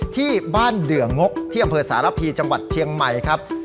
ที่บ้านเดื่องกที่อำเภอสารพีจังหวัดเชียงใหม่ครับ